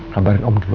kabarin om gilbert ya